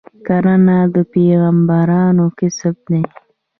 کرنه د پیغمبرانو کسب دی.